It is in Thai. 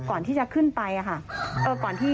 ก่อนที่จะขึ้นไปค่ะ